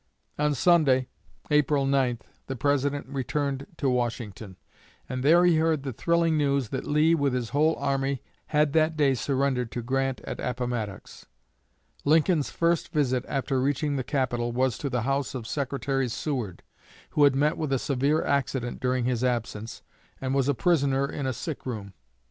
On Sunday, April 9, the President returned to Washington; and there he heard the thrilling news that Lee, with his whole army, had that day surrendered to Grant at Appomattox. Lincoln's first visit, after reaching the capital, was to the house of Secretary Seward, who had met with a severe accident during his absence, and was a prisoner in a sick room.